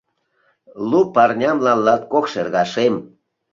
Лу парнямлан латкок шергашем